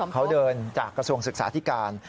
เขาเดินจากกระทรวงศึกษาธิการ